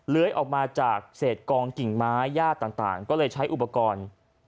เลื้อยออกมาจากเศษกองกิ่งไม้ย่าต่างก็เลยใช้อุปกรณ์